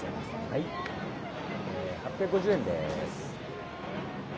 はい８５０円です。